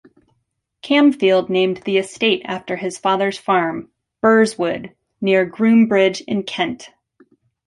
Camfield named the estate after his father's farm, Burrswood, near Groombridge in Kent.